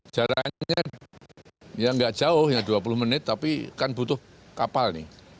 jalannya ya nggak jauh ya dua puluh menit tapi kan butuh kapal nih